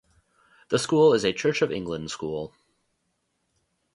The school is a Church of England school.